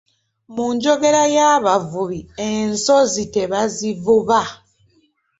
Mu njogera y’abavubi ensonzi tebazivuba.